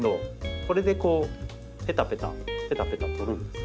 これでこうペタペタペタペタ取るんです。